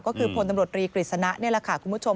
ก็คือผลตำรวจรีกศนะนั่นแหละคุณผู้ชม